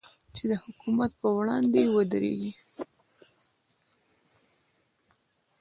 چې د حکومت پر وړاندې ودرېږي.